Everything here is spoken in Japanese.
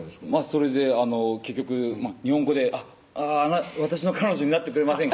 それで結局日本語で「私の彼女になってくれませんか？」